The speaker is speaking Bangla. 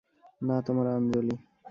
না তোমার আঞ্জলি।